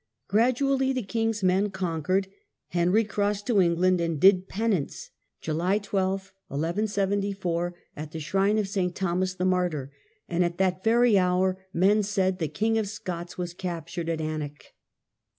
Gradually the king's men conquered. Henry crossed to England and did penance, July 12, LAST FIGHT OF FEUDALISM. 31 1 1 74, at the shrine of S. Thomas the martyr; and at that very hour, men said, the King of Scots was captured at Alnwick.